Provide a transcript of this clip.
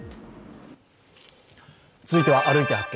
続いては「歩いて発見！